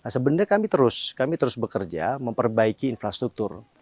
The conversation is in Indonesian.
sebenarnya kami terus kami terus bekerja memperbaiki infrastruktur